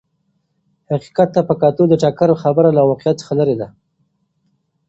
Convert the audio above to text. حقیقت ته په کتو سره د ټکر خبره له واقعیت څخه لرې ده.